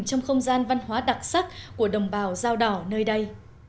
trong không gian văn hóa đặc sắc của đồng bào dao đỏ nơi đây